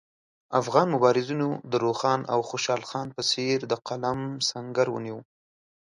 افغان مبارزینو د روښان او خوشحال په څېر د قلم سنګر ونیو.